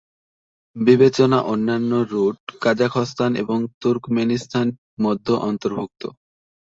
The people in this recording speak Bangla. বিবেচনা অন্যান্য রুট কাজাখস্তান এবং তুর্কমেনিস্তান মধ্যে অন্তর্ভুক্ত।